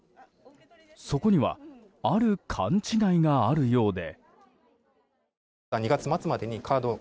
そこにはある勘違いがあるようで。